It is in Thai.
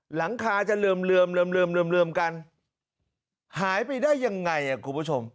หลังคาจะเหลื่อมกันหายไปได้ยังไงคุณผู้ชม